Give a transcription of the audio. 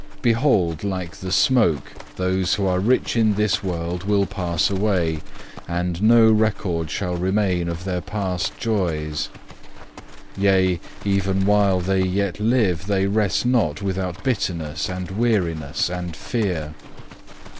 Behold, like the smoke those who are rich in this world will pass away, and no record shall remain of their past joys. Yea, even while they yet live, they rest not without bitterness and weariness and fear.